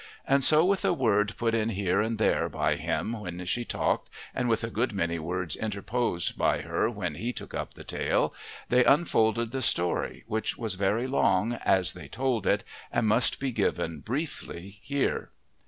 And so with a word put in here and there by him when she talked, and with a good many words interposed by her when he took up the tale, they unfolded the story, which was very long as they told it and must be given briefly here.